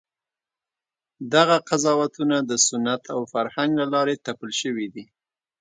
دغه قضاوتونه د سنت او فرهنګ له لارې تپل شوي دي.